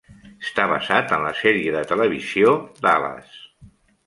Està basat en la sèrie de televisió "Dallas".